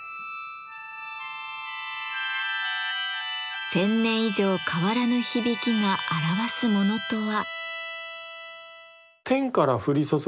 １，０００年以上変わらぬ響きが表すものとは？